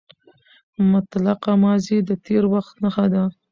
مطلقه ماضي د تېر وخت نخښه ده.